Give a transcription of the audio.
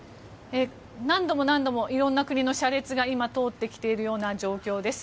何度も何度もいろんな国の車列が通ってきているような状況です。